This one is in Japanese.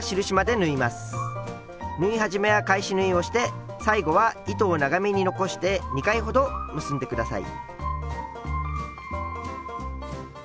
縫い始めは返し縫いをして最後は糸を長めに残して２回ほど結んでください。